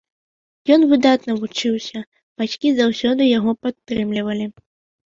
Ён выдатна вучыўся, бацькі заўсёды яго падтрымлівалі.